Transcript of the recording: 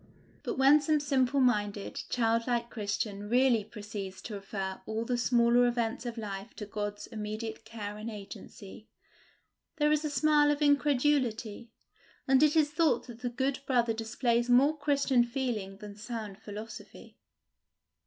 But when some simple minded, childlike Christian really proceeds to refer all the smaller events of life to God's immediate care and agency, there is a smile of incredulity, and it is thought that the good brother displays more Christian feeling than sound philosophy.